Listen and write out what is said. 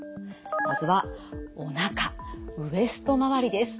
まずはおなかウエスト周りです。